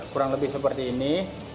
kurang lebih seperti ini